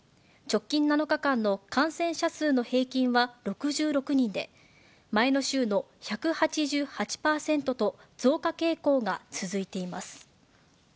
直近７日間の感染者数の平均は６６人で、前の週の１８８％と、増加傾向が続いています。